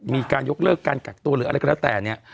มีการยกเลิกการกักตัวหรืออะไรก็แล้วแต่เนี่ย